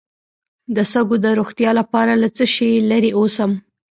د سږو د روغتیا لپاره له څه شي لرې اوسم؟